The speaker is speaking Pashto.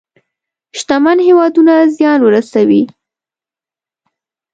شتمن هېوادونه زيان ورسوي.